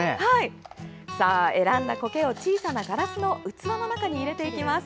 選んだコケを、小さなガラスの器の中に入れていきます。